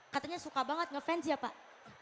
katanya suka banget ngefans ya pak